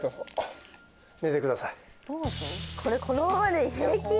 これこのままで平気？